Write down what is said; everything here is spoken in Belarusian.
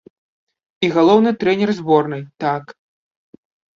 І галоўны трэнер зборнай, так.